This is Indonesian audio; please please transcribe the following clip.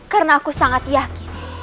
karena aku sangat yakin